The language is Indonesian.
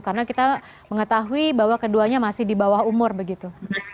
karena kita mengetahui bahwa keduanya masih di bawah umur begitu